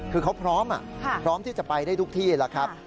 คือเขาพร้อมที่จะไปได้ทุกที่แหละครับ